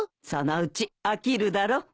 そのうち飽きるだろ。